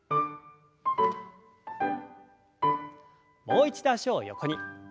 もう一度脚を横に。